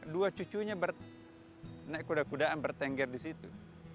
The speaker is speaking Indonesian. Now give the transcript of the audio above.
dua cucunya naik kuda kudaan bertengger disitu